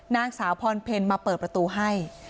นางสาวพรเพลมาเปิดประตูให้